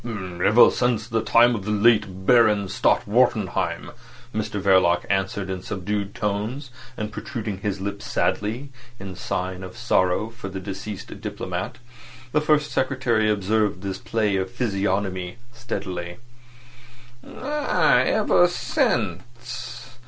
"Ever since the time of the late Baron Stott Wartenheim," Mr Verloc answered in subdued tones, and protruding his lips sadly, in sign of sorrow for the deceased diplomat. The First Secretary observed this play of physiognomy steadily. "Ah! ever since.